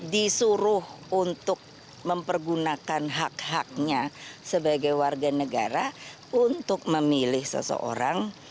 disuruh untuk mempergunakan hak haknya sebagai warga negara untuk memilih seseorang